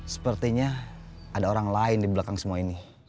sepertinya ada orang lain di belakang semua ini